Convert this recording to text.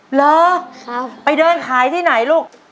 เหรอไปเดินขายที่ไหนลูก